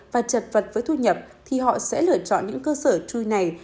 và chật vật với thu nhập thì họ sẽ lựa chọn những cơ sở chui này